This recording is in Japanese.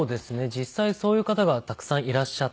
実際そういう方がたくさんいらっしゃって。